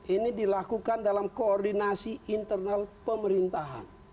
ini dilakukan dalam koordinasi internal pemerintahan